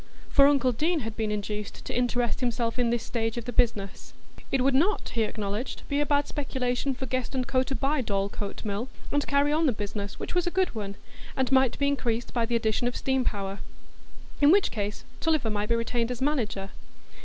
For uncle Deane had been induced to interest himself in this stage of the business. It would not, he acknowledged, be a bad speculation for Guest & Co. to buy Dorlcote Mill, and carry on the business, which was a good one, and might be increased by the addition of steam power; in which case Tulliver might be retained as manager.